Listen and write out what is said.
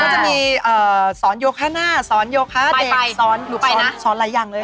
จะมีสอนโยฆนะสอนโยฆฆะเด็กสอนหรือสอนอะไรอย่างเลย